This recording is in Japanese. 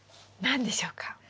何でしょうか？